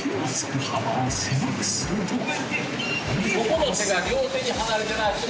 ここの手が両手で離れてないと。